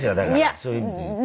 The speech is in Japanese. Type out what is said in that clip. そういう意味でいうと。